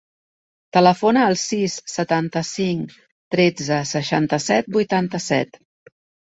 Telefona al sis, setanta-cinc, tretze, seixanta-set, vuitanta-set.